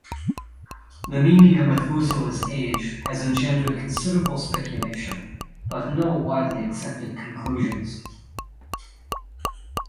The meaning of Methuselah's age has engendered considerable speculation, but no widely accepted conclusions.